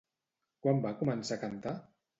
Quan va començar a cantar?